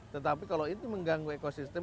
tetapi kalau itu mengganggu ekosistem